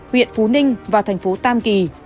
huyện phú ninh và thành phố tam kỳ